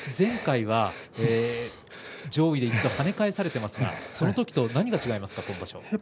前回は上位に跳ね返されていますがその時と何が違いますか？